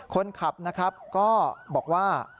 คนขับนะครับก็บอกว่า